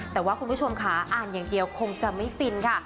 แต่ว่าคุณผู้ชมค่ะอ่านอย่างเดียวคงจะไม่ฟินค่ะ